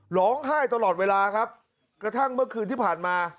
ร้องไห้ตลอดเวลาครับกระทั่งเมื่อคืนที่ผ่านมา